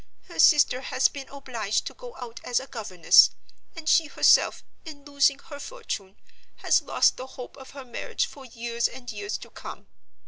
Her sister has been obliged to go out as a governess; and she herself, in losing her fortune, has lost the hope of her marriage for years and years to come.